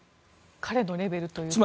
彼のレベルというのは？